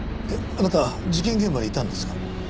あなた事件現場にいたんですか？